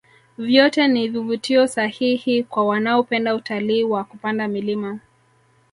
vyote ni vivutio sahihi kwa wanaopenda utalii wa kupanda milima